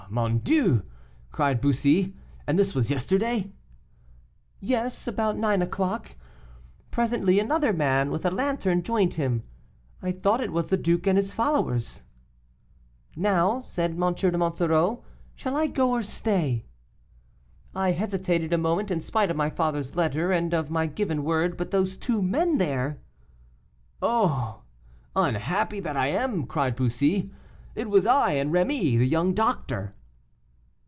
mon dieu!" cried Bussy; "and this was yesterday?" "Yes, about nine o'clock. Presently, another man, with a lantern, joined him. I thought it was the duke and his followers. "'Now,' said, M de Monsoreau, 'shall I go or stay?' I hesitated a moment, in spite of my father's letter and of my given word, but those two men there " "Oh! unhappy that I am," cried Bussy, "it was I and Rémy, the young doctor."